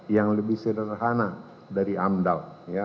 yang lebih sederhana dari amdal